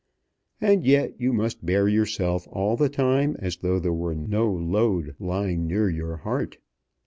And yet you must bear yourself all the time as though there were no load lying near your heart.